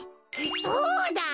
そうだ！